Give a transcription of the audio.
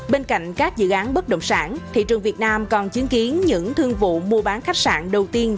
bên cạnh các dự án bất động sản thị trường việt nam còn chứng kiến những thương vụ mua bán khách sạn đầu tiên